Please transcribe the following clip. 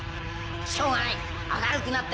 しょうがない